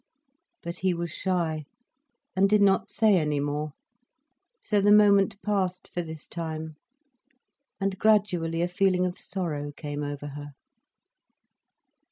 But he was shy, and did not say any more. So the moment passed for this time. And gradually a feeling of sorrow came over her.